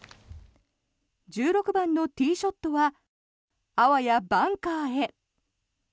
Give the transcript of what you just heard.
１６番のティーショットはあわやバンカーへ。